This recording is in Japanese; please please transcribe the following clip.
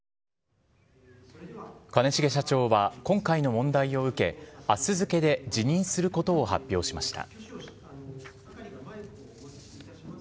兼重社長は今回の問題を受け、あす付けで辞任することを発表しました。